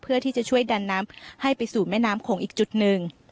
เพื่อที่จะช่วยดันน้ำให้ไปสู่แม่น้ำโขงอีกจุดหนึ่ง